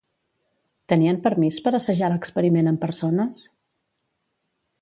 Tenien permís per assajar l'experiment amb persones?